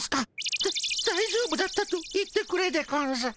だだいじょうぶだったと言ってくれでゴンス。